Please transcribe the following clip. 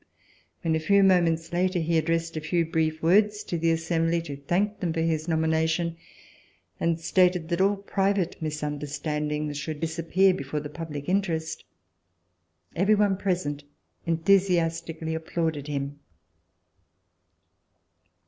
When, a few moments later, he addressed a few brief words to the Assembly to thank them for his nomination, and stated that all private misunder standing should disappear before the public interest, every one present enthusiastically applauded him.